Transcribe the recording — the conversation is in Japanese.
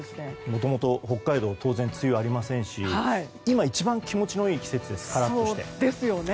もともと北海道は当然、梅雨がありませんし今、一番気持ちのいい季節ですよね。